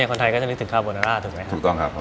คนไทยก็จะลึกถึงคาร์โบนาร่าถูกไหมครับ